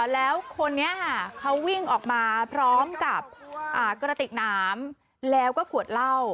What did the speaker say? แล้วคนนี้เขาวิ่งออกมาพร้อมกับกระติกน้ำแล้วก็ขวดเหล้า